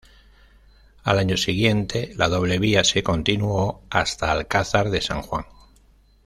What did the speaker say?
Al año siguiente, la doble vía se continuó hasta Alcázar de San Juan.